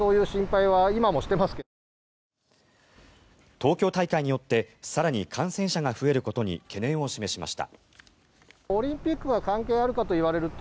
東京大会によって更に感染者が増えることに懸念を示しました。